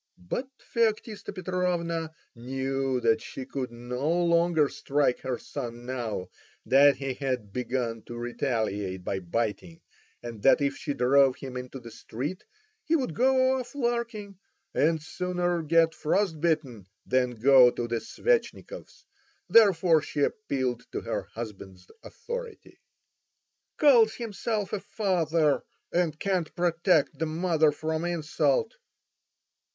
But Feoktista Petrovna knew that she could no longer strike her son now that he had begun to retaliate by biting, and that if she drove him into the street he would go off larking, and sooner get frost bitten than go to the Svetchnikovs, therefore she appealed to her husband's authority. "Calls himself a father, and can't protect the mother from insult!"